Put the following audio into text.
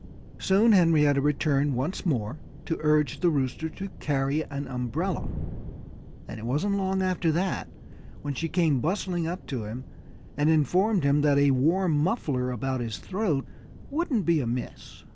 Soon Henrietta returned once more to urge the Rooster to carry an umbrella. And it wasn't long after that when she came bustling up to him and informed him that a warm muffler about his throat wouldn't be amiss.